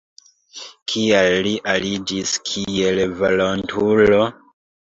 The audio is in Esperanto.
Kial li aliĝis kiel volontulo?